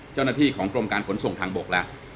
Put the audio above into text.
เจ้าหน้าที่ของกรมการขนส่งทางบกแล้ว